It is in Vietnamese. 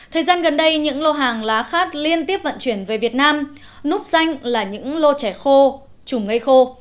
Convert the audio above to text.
thời gian gần đây những lô hàng lá khát liên tiếp vận chuyển về việt nam núp danh là những lô trẻ khô trùng mây khô